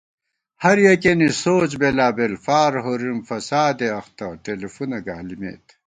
ہر یَکِیَنی سوچ بېلابېل فار ہورِم فسادے اختہ ٹېلیفُونہ گالِمېت